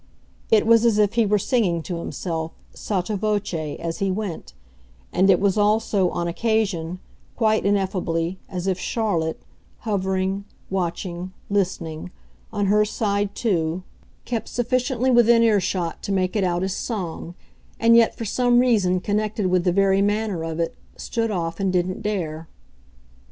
It was as if he were singing to himself, sotto voce, as he went and it was also, on occasion, quite ineffably, as if Charlotte, hovering, watching, listening, on her side too, kept sufficiently within earshot to make it out as song, and yet, for some reason connected with the very manner of it, stood off and didn't dare.